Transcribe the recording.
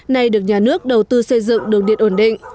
nay được nhà nước đầu tư xây dựng đường điện ổn định